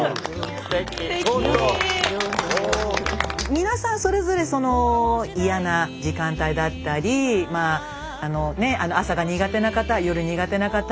皆さんそれぞれ嫌な時間帯だったり朝が苦手な方夜苦手な方